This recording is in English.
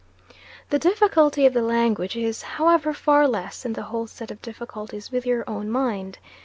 The difficulty of the language is, however, far less than the whole set of difficulties with your own mind.